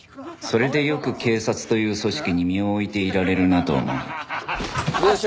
それでよく警察という組織に身を置いていられるなと思う